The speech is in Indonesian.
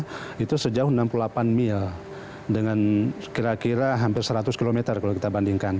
itu sejauh enam puluh delapan mil dengan kira kira hampir seratus km kalau kita bandingkan